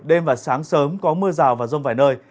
đêm và sáng sớm có mưa rào và rông vài nơi